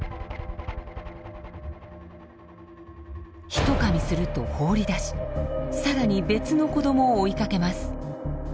一噛みすると放り出しさらに別の子どもを追いかけます。